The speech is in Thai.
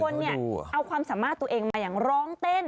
เนี่ยเอาความสามารถตัวเองมาอย่างร้องเต้น